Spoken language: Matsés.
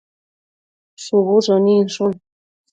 shubu shëninshun